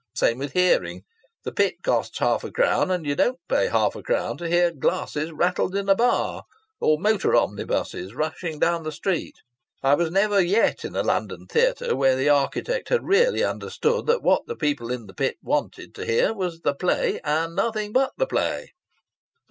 Same with hearing! The pit costs half a crown, and you don't pay half a crown to hear glasses rattled in a bar or motor omnibuses rushing down the street. I was never yet in a London theatre where the architect had really understood that what the people in the pit wanted to hear was the play and nothing but the play."